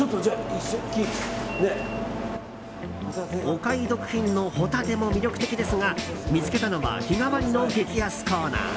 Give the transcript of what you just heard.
お買い得品のホタテも魅力的ですが見つけたのは日替わりの激安コーナー。